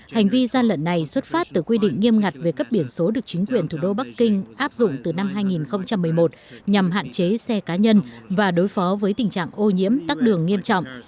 hành vi gian lận này xuất phát từ quy định nghiêm ngặt về cấp biển số được chính quyền thủ đô bắc kinh áp dụng từ năm hai nghìn một mươi một nhằm hạn chế xe cá nhân và đối phó với tình trạng ô nhiễm tắc đường nghiêm trọng